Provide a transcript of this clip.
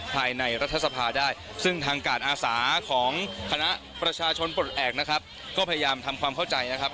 ภายในรัฐสภาได้ซึ่งทางการอาสาของคณะประชาชนปลดแอบนะครับก็พยายามทำความเข้าใจนะครับ